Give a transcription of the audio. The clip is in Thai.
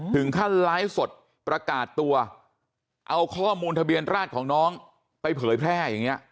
ถึงขั้นไลฟ์สดประกาศตัวเอาข้อมูลทะเบียนราชของน้องไปเผยแพร่อย่างนี้